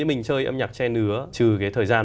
mình chơi âm nhạc che nứa trừ cái thời gian